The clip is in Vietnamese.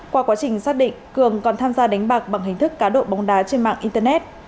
qua quá trình xác định cường còn tham gia đánh bạc bằng hình thức cá độ bóng đá trên mạng internet